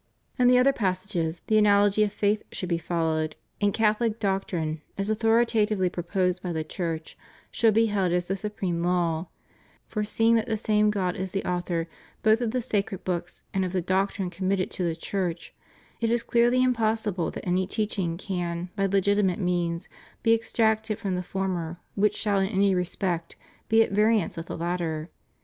In the other passages the analogy of faith should be fol lowed, and Catholic doctrine, as authoritatively proposed by the Church, should be held as the supreme law; for, seeing that the same God is the author both of the sacred books and of the doctrine committed to the Church, it is clearly impossible that any teaching can, by legitimate means, be extracted from the former which shall, in any respect, be at variance with the latter.